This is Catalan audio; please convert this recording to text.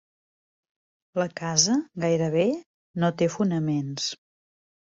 La casa gairebé no té fonaments.